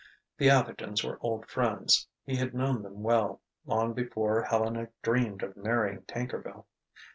The Athertons were old friends; he had known them well, long before Helena dreamed of marrying Tankerville.